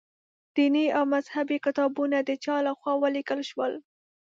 دیني او مذهبي کتابونه د چا له خوا ولیکل شول.